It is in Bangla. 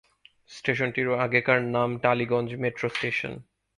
স্টেশনটির আগেকার নাম টালিগঞ্জ মেট্রো স্টেশন।